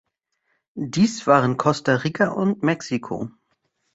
Dies waren Costa Rica und Mexiko.